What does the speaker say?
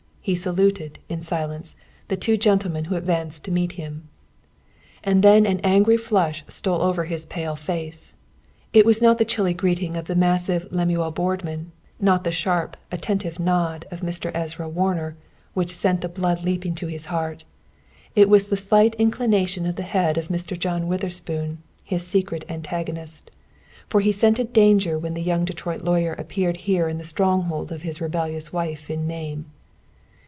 He saluted, in silence, the two gentlemen who advanced to meet him. And then an angry flush stole over his pale face. It was not the chilly greeting of the massive Lemuel Boardman, not the sharp, attentive nod of Mr. Ezra Warner, which sent the blood leaping to his heart; it was the slight inclination of the head of Mr. John Witherspoon, his secret antagonist. For he scented danger when the young Detroit lawyer appeared here in the stronghold of his rebellious wife in name.